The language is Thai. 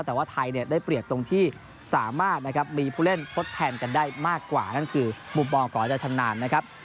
แต่ว่าไทยได้เปรียบตรงที่สามารถมีผู้เล่นพดแทนกันได้มากกว่านั่นคือมุมมองก่ออาจารย์สะดานนะครับ